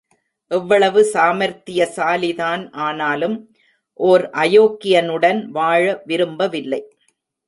எவ்வளவு சாமர்த்தியசாலிதான் ஆனாலும், ஓர் அயோக்கியனுடன் வாழ விரும்பவில்லை.